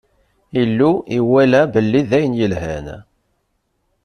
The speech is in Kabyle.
Illu iwala belli d ayen yelhan.